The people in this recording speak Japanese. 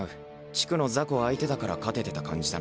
地区の雑魚相手だから勝ててた感じだな。